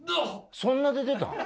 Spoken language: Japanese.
そんな出てた？